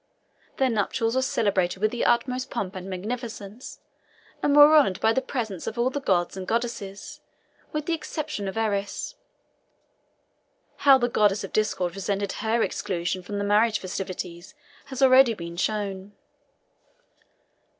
Their nuptials were celebrated with the utmost pomp and magnificence, and were honoured by the presence of all the gods and goddesses, with the exception of Eris. How the goddess of discord resented her exclusion from the marriage festivities has already been shown.